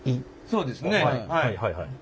そうですねはい。